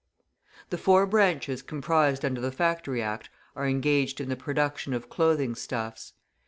The four branches comprised under the Factory Act are engaged in the production of clothing stuffs.